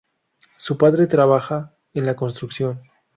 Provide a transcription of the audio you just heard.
Su padre trabaja en la construcción.